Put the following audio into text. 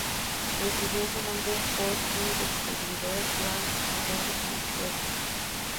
Recibió su nombre por su descubridor, Joan Abella i Creus.